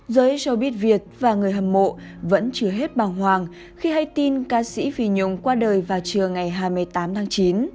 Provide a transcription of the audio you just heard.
giới showbiz việt và người hâm mộ vẫn chứa hết bào hoàng khi hay tin ca sĩ phi nhung qua đời vào trưa ngày hai mươi tám tháng chín